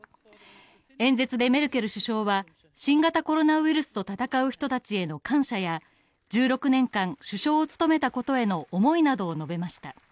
演説でメルケル首相は、新型コロナウイルスと闘う人たちへの感謝や１６年間首相を務めたことへの思いなどを述べました。